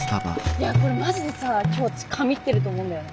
いやこれまじでさ今日うち神ってると思うんだよね。